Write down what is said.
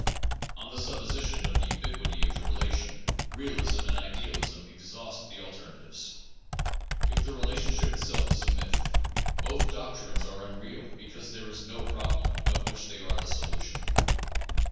On the supposition of the ubiquity of the relation, realism and idealism exhaust the alternatives ; if the relationship itself is a myth, both doctrines are unreal because there is no problem of which they are the solution.